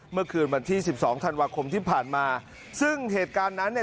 เมื่อคืนวันที่สิบสองธันวาคมที่ผ่านมาซึ่งเหตุการณ์นั้นเนี่ย